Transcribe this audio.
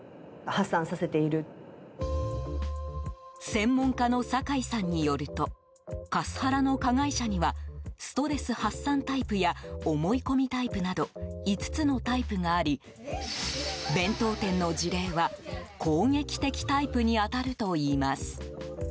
専門家の酒井さんによるとカスハラの加害者にはストレス発散タイプや思い込みタイプなど５つのタイプがあり弁当店の事例は、攻撃的タイプに当たるといいます。